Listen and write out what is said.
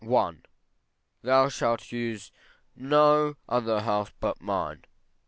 I. Thou shalt use no other house but mine. II.